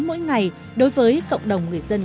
mỗi ngày đối với cộng đồng người dân